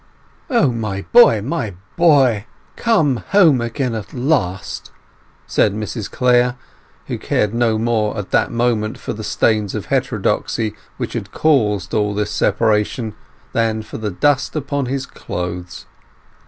"O, my boy, my boy—home again at last!" cried Mrs Clare, who cared no more at that moment for the stains of heterodoxy which had caused all this separation than for the dust upon his clothes.